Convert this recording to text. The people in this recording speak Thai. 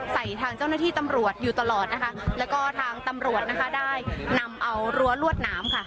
ทางเจ้าหน้าที่ตำรวจอยู่ตลอดนะคะแล้วก็ทางตำรวจนะคะได้นำเอารั้วลวดหนามค่ะ